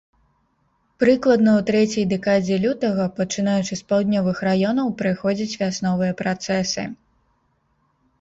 Прыкладна ў трэцяй дэкадзе лютага, пачынаючы з паўднёвых раёнаў, прыходзяць вясновыя працэсы.